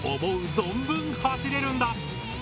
存分走れるんだ。